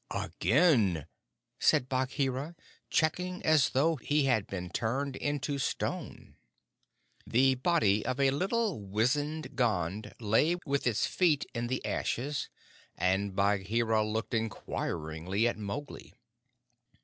"Again!" said Bagheera, checking as though he had been turned into stone. The body of a little wizened Gond lay with its feet in the ashes, and Bagheera looked inquiringly at Mowgli.